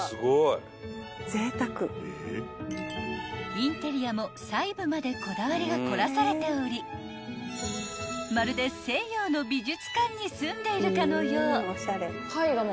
［インテリアも細部までこだわりが凝らされておりまるで西洋の美術館に住んでいるかのよう］